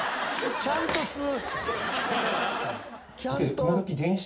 ちゃんと吸う。